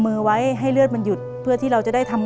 เปลี่ยนเพลงเพลงเก่งของคุณและข้ามผิดได้๑คำ